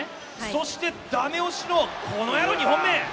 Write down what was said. そして、駄目押しのこの２本目！